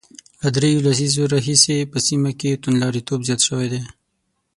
له درېو لسیزو راهیسې په سیمه کې توندلاریتوب زیات شوی دی